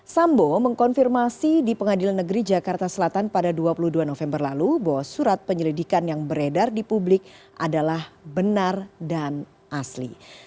sambo mengkonfirmasi di pengadilan negeri jakarta selatan pada dua puluh dua november lalu bahwa surat penyelidikan yang beredar di publik adalah benar dan asli